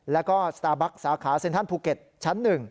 แล้วก็สตาร์บัคสาขาเซ็นทรัลภูเก็ตชั้น๑